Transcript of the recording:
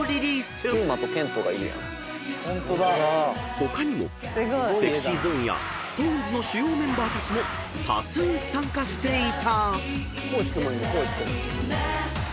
［他にもＳｅｘｙＺｏｎｅやＳｉｘＴＯＮＥＳの主要メンバーたちも多数参加していた］